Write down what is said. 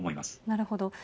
なるほど。